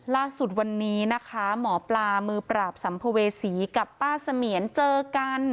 ล่าสุดวันนี้นะคะหมอปลามือปราบสัมภเวษีกับป้าเสมียนเจอกัน